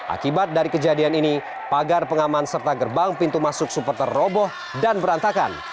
akibat dari kejadian ini pagar pengaman serta gerbang pintu masuk supporter roboh dan berantakan